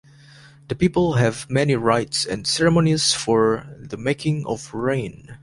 The people have many rites and ceremonies for the making of rain.